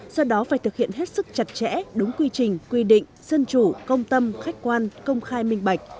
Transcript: do đó phải thực hiện hết sức chặt chẽ đúng quy trình quy định dân chủ công tâm khách quan công khai minh bạch